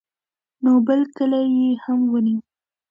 نو بل کلی یې هم ونیو.